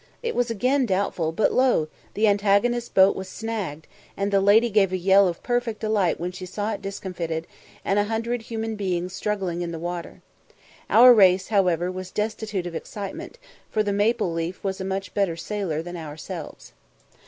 It was again doubtful, but, lo! the antagonist boat was snagged, and the lady gave a yell of perfect delight when she saw it discomfited, and a hundred human beings struggling in the water. Our race, however, was destitute of excitement, for the Maple leaf was a much better sailer than ourselves.